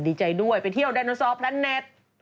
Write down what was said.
ดีใจด้วยไปเที่ยวไดโนซอลแพลนเน็ต